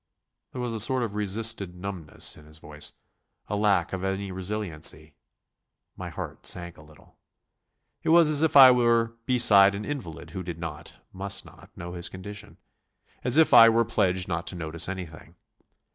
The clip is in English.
There was a sort of resisted numbness in his voice, a lack of any resiliency. My heart sank a little. It was as if I were beside an invalid who did not must not know his condition; as if I were pledged not to notice anything.